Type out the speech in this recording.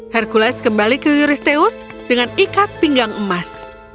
hercules kembali ke yuristeus dengan ikat pinggang emas